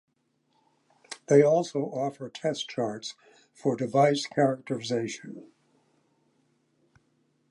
They also offer test charts for device characterization.